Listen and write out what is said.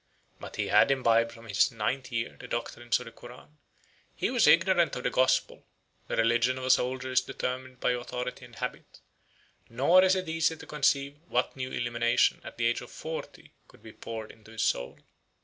But he had imbibed from his ninth year the doctrines of the Koran; he was ignorant of the Gospel; the religion of a soldier is determined by authority and habit; nor is it easy to conceive what new illumination at the age of forty 38 could be poured into his soul.